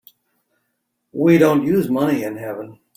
We don't use money in heaven.